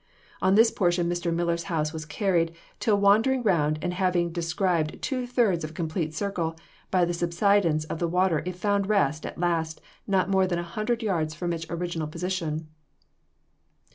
On this portion Mr. Miller's house was carried, till wandering round and having described two thirds of a complete circle, by the subsidence of the water it found rest at last not more than a hundred yards from its original position.